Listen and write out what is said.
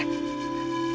kau berharap apa meg